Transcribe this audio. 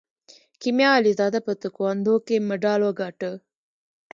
کیمیا علیزاده په تکواندو کې مډال وګاټه.